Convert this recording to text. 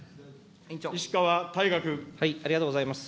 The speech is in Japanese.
ありがとうございます。